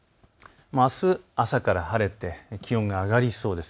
あす朝から晴れて気温が上がりそうです。